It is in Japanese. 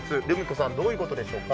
るみ子さん、どういうことです？